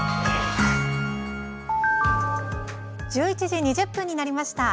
１１時２０分になりました。